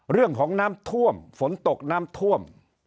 เรื่องของน้ำท่วมฝนตกน้ำท่วม